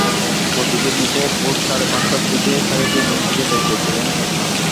প্রতিশোধ নিতে ভোর সাড়ে পাঁচটার দিকে সাকিবকে ঘুম থেকে ডেকে তোলেন স্বপ্না।